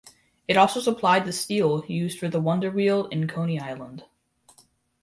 It also supplied the steel used for the Wonder Wheel in Coney Island.